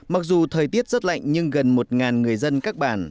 mặc dù thời tiết rất lạnh nhưng gần một người dân các bản